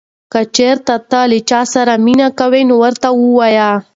که چېرې ته له چا سره مینه کوې نو ورته ووایه.